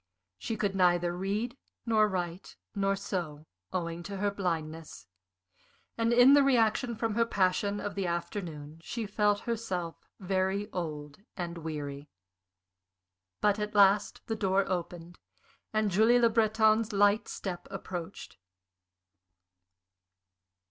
She could neither read nor write nor sew, owing to her blindness, and in the reaction from her passion of the afternoon she felt herself very old and weary. But at last the door opened and Julie Le Breton's light step approached.